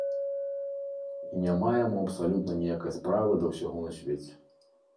І няма яму абсалютна ніякай справы да ўсяго на свеце.